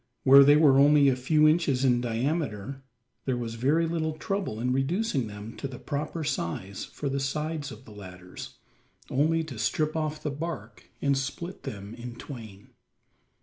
Where they were only a few inches in diameter, there was very little trouble in reducing them to the proper size for the sides of the ladders only to strip off the bark and split them in twain.